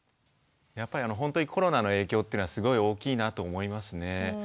やっぱり本当にコロナの影響っていうのはすごい大きいなと思いますね。